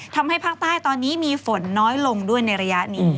ทำให้ภาคใต้ตอนนี้มีฝนน้อยลงด้วยในระยะนี้